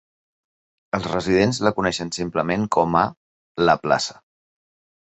Els residents la coneixen simplement com a "la Plaça".